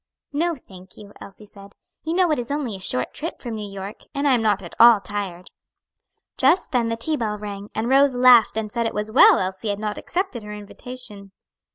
"No thank you," Elsie said; "you know it is only a short trip from New York, and I am not at all tired." Just then the tea bell rang, and Rose laughed and said it was well Elsie had not accepted her invitation.